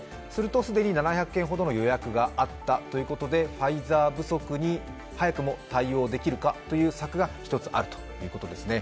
すると既に７００件ほどの予約があったということでファイザー不足に早くも対応できるかという策が一つあるということですね。